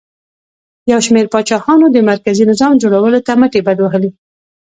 یو شمېر پاچاهانو د مرکزي نظام جوړولو ته مټې بډ وهلې